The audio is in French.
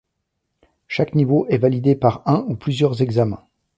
Chaque niveau est validé par un ou plusieurs examens.